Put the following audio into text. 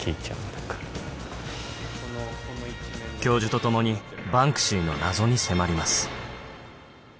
教授と共にバンクシーの謎に迫ります